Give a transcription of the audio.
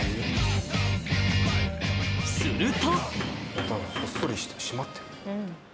［すると］